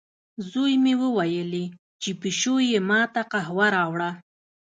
زوی مې وویلې، چې پیشو یې ما ته قهوه راوړه.